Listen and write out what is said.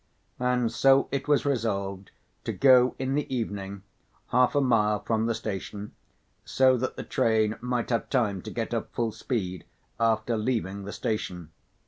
And so it was resolved to go in the evening, half a mile from the station, so that the train might have time to get up full speed after leaving the station.